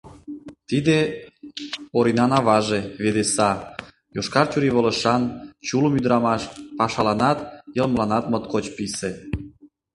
Тиде — Оринан аваже, Ведеса, йошкар чурийвылышан, чулым ӱдырамаш, пашаланат, йылмыланат моткоч писе.